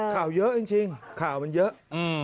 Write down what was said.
ข่าวเยอะจริงข่าวมันเยอะ